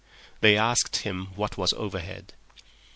They asked him what was overhead.